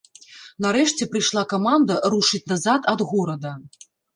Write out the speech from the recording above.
Нарэшце прыйшла каманда рушыць назад ад горада.